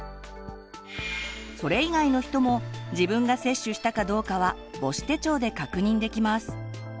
それ以外の人も自分が接種したかどうかは母子手帳で確認できます。